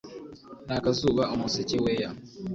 Ni akazuba umuseke weya